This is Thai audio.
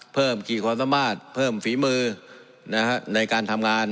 เพิ่มกี่คอนโทรมาสเพิ่มฝีมือในการทำงาน